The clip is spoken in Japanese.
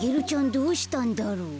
どうしたんだろう？